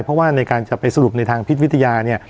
เพราะว่าในการจะไปสรุปในทางพิษวิทยาเนี่ย